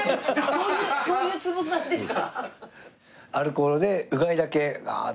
そういう潰すなんですか？